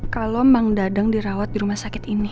kalau emang dadeng dirawat di rumah sakit ini